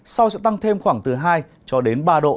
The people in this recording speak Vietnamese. sau sẽ tăng thêm khoảng từ hai cho đến ba độ